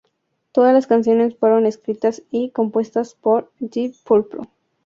Todas las canciones fueron escritas y compuestas por Deep Purple.